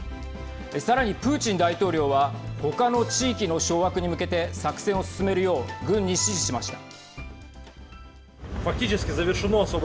さらにプーチン大統領はほかの地域の掌握に向けて作戦を進めるよう軍に指示しました。